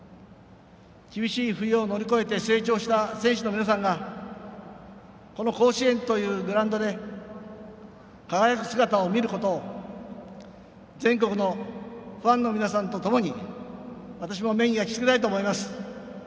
厳しい冬を乗り越えて成長した選手の皆さんがこの甲子園というグラウンドで輝く姿を見ることを全国のファンの皆さんとともに私も目に焼き付けたいと思います。